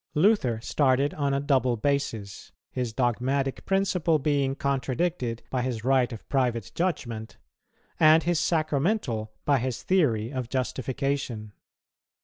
Luther started on a double basis, his dogmatic principle being contradicted by his right of private judgment, and his sacramental by his theory of justification.